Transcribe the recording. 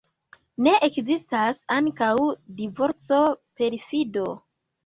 Ne ekzistas ankaŭ divorco, perfido.